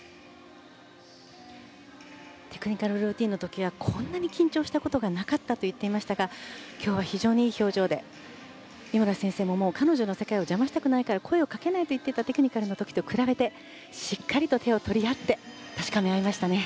テクニカルルーティンの時はこんなに緊張したことがなかったと言っていましたが今日は非常にいい表情で井村先生も、彼女の世界を邪魔したくないから声をかけたくないと言っていたテクニカルの時からしっかりと手を取り合って確かめ合いましたね。